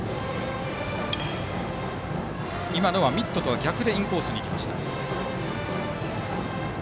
今のはミットとは逆でインコースに来ていました。